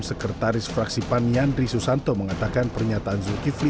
sekretaris fraksi pan yandri susanto mengatakan pernyataan zulkifli